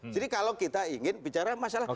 jadi kalau kita ingin bicara masalah